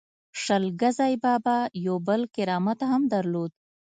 شل ګزی بابا یو بل کرامت هم درلود.